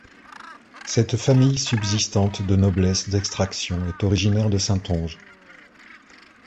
Cette famille subsistante de noblesse d'extraction est originaire de Saintonge.